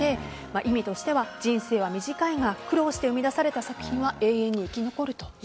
意味としては、人生は短いが苦労して生み出された作品は永遠に生き残ると。